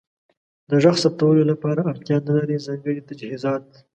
د غږ ثبتولو لپاره اړتیا نلرئ ځانګړې تجهیزات.